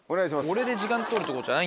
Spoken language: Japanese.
俺で時間取るとこじゃない。